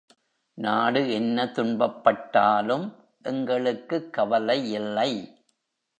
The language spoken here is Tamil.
நாடு என்ன துன்பப்பட்டாலும் எங்களுக்குக் கவலையில்லை.